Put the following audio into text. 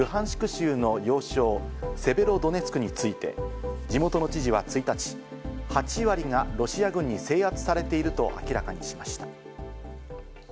州の要衝セベロドネツクについて地元の知事は１日、８割がロシア軍に制圧されていると明らかにしました。